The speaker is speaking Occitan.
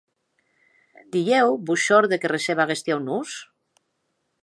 Dilhèu vos shòrde que receba aguesti aunors?